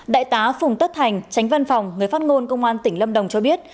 đại tá phùng tất thành tránh văn phòng người phát ngôn công an tỉnh lâm đồng cho biết